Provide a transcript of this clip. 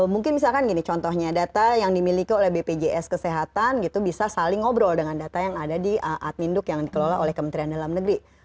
mungkin misalkan gini contohnya data yang dimiliki oleh bpjs kesehatan gitu bisa saling ngobrol dengan data yang ada di admin duk yang dikelola oleh kementerian dalam negeri